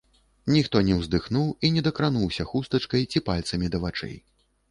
Ніхто не ўздыхнуў і не дакрануўся хустачкай ці пальцамі да вачэй.